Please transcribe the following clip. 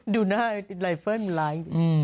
ดูหน้าไลเฟิร์นมันล้าย